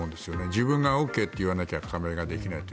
自分がＯＫって言わないと加盟できないと。